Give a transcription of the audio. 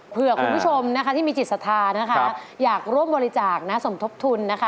เผื่อคุณผู้ชมที่มีจิตสาธารณ์อยากร่วมบริจาคสมทบทุน